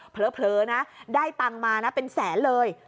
เผลอเผลอนะได้ตำมานะเป็นแสนเลย